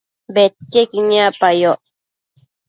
bedquiequi niacpayoc